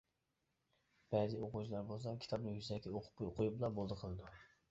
بەزى ئوقۇغۇچىلار بولسا كىتابنى يۈزەكى ئوقۇپ قويۇپلا بولدى قىلىدۇ.